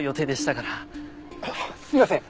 すいません